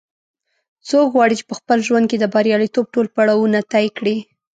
څوک غواړي چې په خپل ژوند کې د بریالیتوب ټول پړاوونه طې کړي